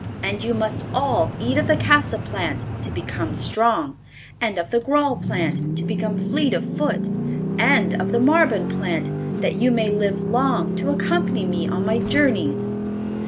And you must all eat of the casa plant, to become strong, and of the grawle plant, to become fleet of foot, and of the marbon plant, that you may live long to accompany me on my journeys.